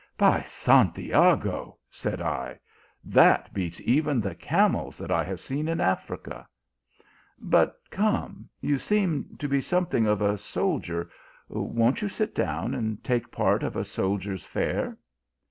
" By Santiago, said I, that beats even the camels that I have seen in Africa. But come, you seem to be something of a soldier, won t you sit down, and take part of a soldier s fare